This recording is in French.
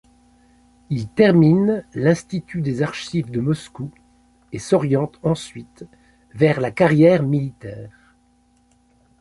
Il termine l'institut des archives de Moscou et s'oriente ensuite vers la carrière militaire.